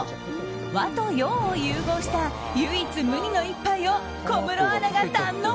和と洋を融合した唯一無二の一杯を小室アナが堪能。